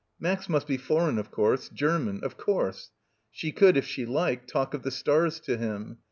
Max must be foreign, of course, German — of course. She could, if she liked, talk of the stars to him.